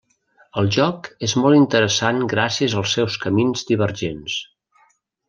El joc és molt interessant gràcies als seus camins divergents.